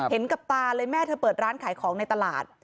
กับตาเลยแม่เธอเปิดร้านขายของในตลาด